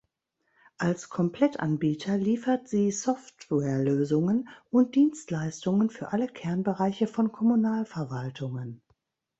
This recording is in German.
Als Komplettanbieter liefert sie Softwarelösungen und Dienstleistungen für alle Kernbereiche von Kommunalverwaltungen.